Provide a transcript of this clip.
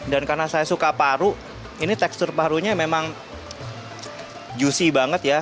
dan karena saya suka paru ini tekstur parunya memang juicy banget ya